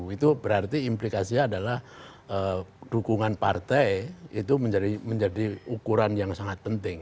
itu berarti implikasinya adalah dukungan partai itu menjadi ukuran yang sangat penting